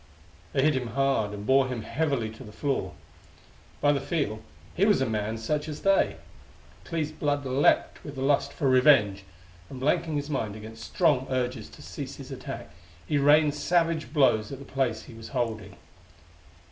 They hit him hard, and bore him heavily to the floor. By the feel, he was a man such as they! Clee's blood leaped with the lust for revenge, and blanking his mind against strong urges to cease his attack he rained savage blows at the place he was holding.